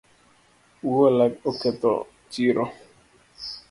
Oula oketho chiro